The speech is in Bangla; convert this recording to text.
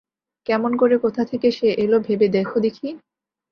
কেমন করে কোথা থেকে সে এল ভেবে দেখো দেখি।